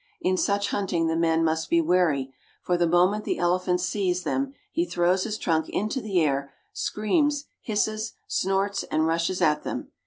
In such hunting the men must be wary, for the moment the elephant sees them he throws his trunk into the air, screams, hisses, snorts, and rushes at them.